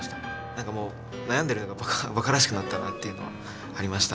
なんかもう悩んでるのがバカらしくなったなっていうのはありました。